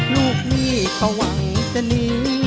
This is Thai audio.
ลูกพี่เขาหวังจะหนี